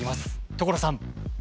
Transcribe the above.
所さん！